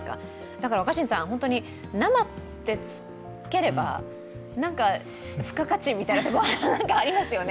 だから本当に生ってつければ付加価値みたいなところがありますよね？